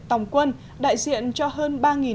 tòng quân đại diện cho hơn